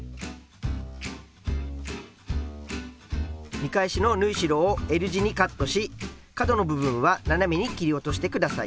見返しの縫い代をＬ字にカットし角の部分は斜めに切り落としてください。